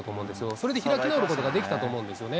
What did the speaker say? それで開き直ることができたと思うんですよね。